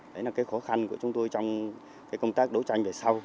đấy là cái khó khăn của chúng tôi trong cái công tác đấu tranh về sau